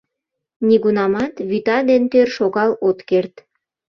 Нигунамат вӱта ден тӧр шогал от керт!